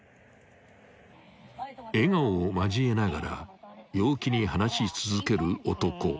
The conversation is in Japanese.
［笑顔を交えながら陽気に話し続ける男］